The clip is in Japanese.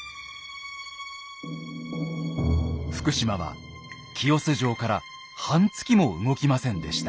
福島は清須城から半月も動きませんでした。